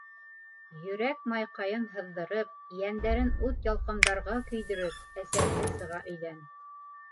Йөрәк майҡайын һыҙҙырып, йәндәрен ут-ялҡындарға көйҙөрөп, әсәһе сыға өйҙән.